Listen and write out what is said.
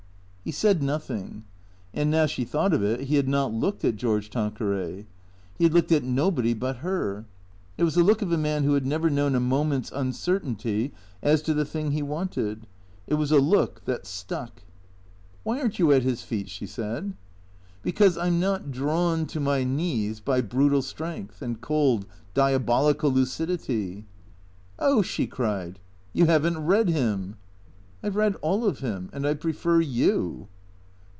He said nothing. And now she thought of it, he had not looked at George Tanqueray. He bad looked at nobody but ber. It was the look of a man who had never known a moment's un certainly as to the thing he wanted. It was a look that stuck. 70 THECEEATORS " Why are n't you at his feet ?" she said. " Because I 'm not drawn — to my knees — by brutal strength and cold, diabolical lucidity." " Oh," she cried, " you have n't read him." " I 've read all of him. And I prefer you."